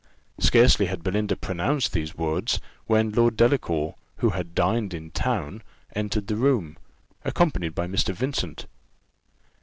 Scarcely had Belinda pronounced these words, when Lord Delacour, who had dined in town, entered the room, accompanied by Mr. Vincent.